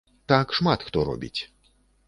Так шмат хто робіць.